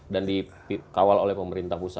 dan dikawal oleh pemerintah pusat